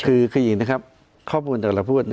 คือคืออย่างนี้ครับข้อมูลที่เราพูด